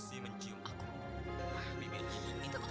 kurang tamu itu jauh lebih dari satu